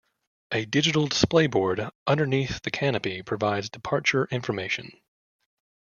A digital display board underneath the canopy provides departure information.